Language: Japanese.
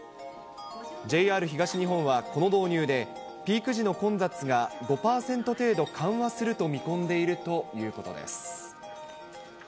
ＪＲ東日本はこの導入で、ピーク時の混雑が５％程度緩和すると見込んでいるということです。